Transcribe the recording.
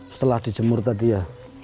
setelah dijemur tadi ya